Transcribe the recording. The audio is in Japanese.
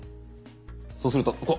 そうするとここ。